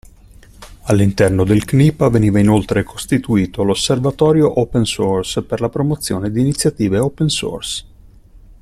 All'interno del CNIPA veniva inoltre costituito l'Osservatorio Open Source per la promozione di iniziative open source.